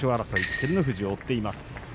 照ノ富士を追っています。